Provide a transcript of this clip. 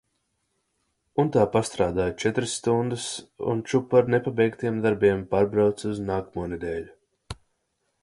Un tā pastrādāju četras stundas un čupa ar nepabeigtiem darbiem pārbrauca uz nākamo nedēļu.